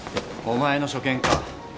お前の所見か？